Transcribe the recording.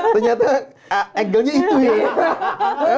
ternyata angle nya itu ya